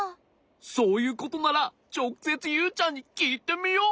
そういうことならちょくせつユウちゃんにきいてみよう。